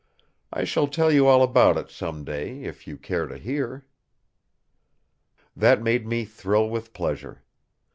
I shall tell you all about it some day, if you care to hear." That made me thrill with pleasure.